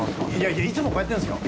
いやいつもこうやってんすよ。